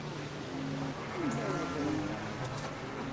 Melmi ara truḥ ɣer tmeɣra?